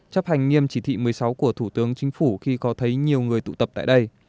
chấp hành nghiêm chỉ thị một mươi sáu của thủ tướng chính phủ khi có thấy nhiều người tụ tập tại đây